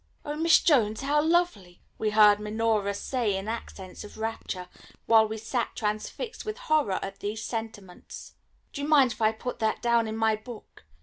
"Oh, Miss Jones, how lovely!" we heard Minora say in accents of rapture, while we sat transfixed with horror at these sentiments. "Do you mind if I put that down in my book?